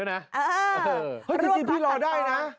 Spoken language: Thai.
จริงออกได้นะ